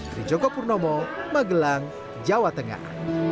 dari joko purnomo magelang jawa tengah